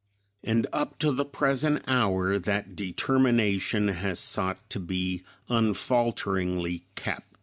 And up to the present hour that determination has sought to be unfalteringly kept.